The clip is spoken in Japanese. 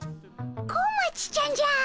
小町ちゃんじゃ！